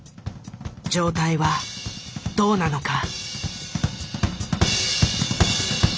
状態はどうなのか？